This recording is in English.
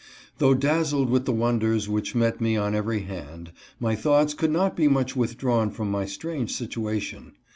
Though dazzled with the wonders which met me on every hand, my thoughts could not be much withdrawn from my strange situation.